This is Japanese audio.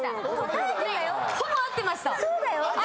⁉ほぼ合ってました。